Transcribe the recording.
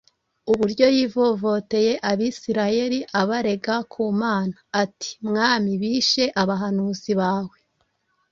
uburyo yivovoteye Abisirayeli, abarega ku Mana? Ati, “Mwami, bishe abahanuzi bawe,